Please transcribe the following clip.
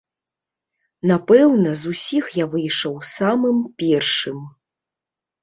Напэўна, з усіх я выйшаў самым першым.